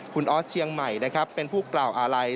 คุณอเชียงใหม่เป็นผู้กล่าวอะไลค์